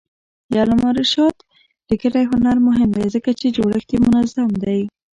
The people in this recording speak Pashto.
د علامه رشاد لیکنی هنر مهم دی ځکه چې جوړښت یې منظم دی.